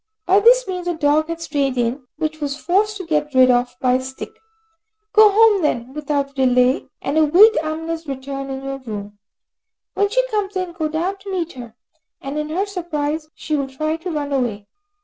By this means a dog had strayed in, which she was forced to get rid of by a stick. Go home then without delay, and await Amina's return in your room. When she comes in, go down to meet her, and in her surprise, she will try to run away.